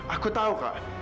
aku tahu kak